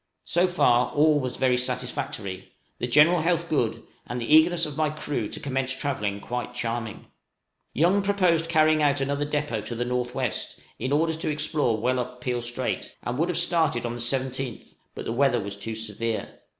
So far all was very satisfactory, the general health good, and the eagerness of my crew to commence travelling quite charming. {SUGAR MISSING.} Young proposed carrying out another depôt to the north west, in order to explore well up Peel Strait, and would have started on the 17th, but the weather was too severe.